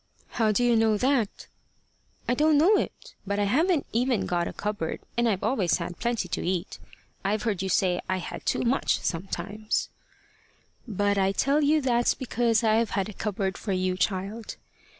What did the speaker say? "How do you know that?" "I don't know it. But I haven't got even a cupboard, and I've always had plenty to eat. I've heard you say I had too much, sometimes." "But I tell you that's because I've had a cupboard for you, child."